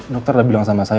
dokter bilang sama saya